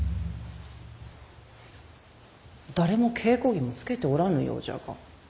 誰も稽古着もつけておらぬようじゃが。